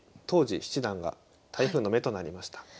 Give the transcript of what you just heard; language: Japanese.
当時七段が台風の目となりました。